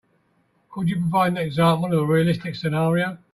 Could you provide an example of a realistic scenario?